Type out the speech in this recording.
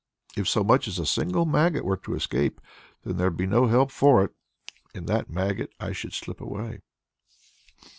If so much as a single maggot were to escape, then there'd be no help for it; in that maggot I should slip away!"